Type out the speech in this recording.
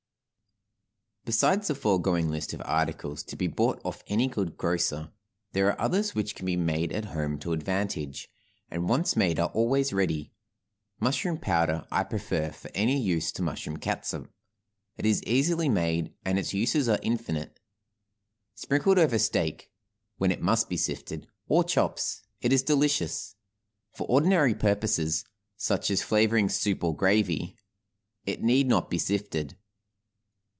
Besides the foregoing list of articles to be bought of any good grocer, there are others which can be made at home to advantage, and once made are always ready. Mushroom powder I prefer for any use to mushroom catsup; it is easily made and its uses are infinite. Sprinkled over steak (when it must be sifted) or chops, it is delicious. For ordinary purposes, such as flavoring soup or gravy, it need not be sifted.